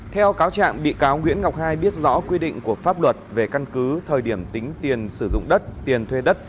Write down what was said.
theo cáo trạng bị cáo nguyễn ngọc hai biết rõ quy định của pháp luật về căn cứ thời điểm tính tiền sử dụng đất tiền thuê đất